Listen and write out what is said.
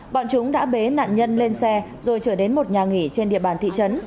bọn chúng đã bế nạn nhân lên xe rồi trở đến một nhà nghỉ trên địa bàn thị trấn